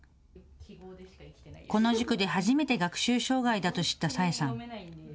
この塾で初めて学習障害だと知った紗英さん。